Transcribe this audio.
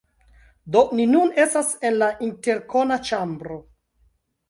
Do, ni nun estas en la interkona ĉambro